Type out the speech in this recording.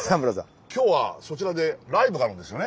今日はそちらでライブがあるんですよね。